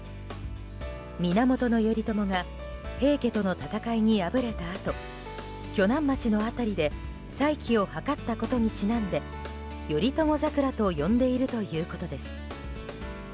源頼朝が平家との戦いに敗れたあと鋸南町の辺りで再起を図ったことにちなんで頼朝桜と呼んでいるということです。